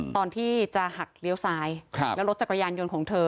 ตอนที่จะหักเลี้ยวซ้ายแล้วรถจักรยานยนต์ของเธอ